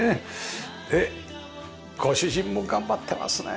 でご主人も頑張ってますね。